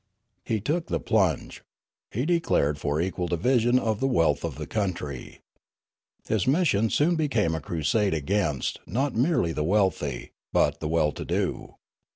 " He took the plunge. He declared for equal division of the wealth of the country. His mission soon became a crusade against, not merely the wealthy, but the well to do.